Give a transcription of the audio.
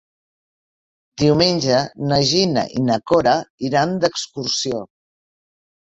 Diumenge na Gina i na Cora iran d'excursió.